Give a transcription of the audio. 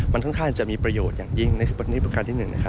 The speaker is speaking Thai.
มันค่อนข้างจะมีประโยชน์อย่างยิ่งนี่คือประการที่๑